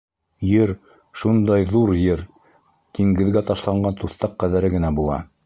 Ер, шундай ҙур ер, диңгеҙгә ташланған туҫтаҡ ҡәҙәре генә була.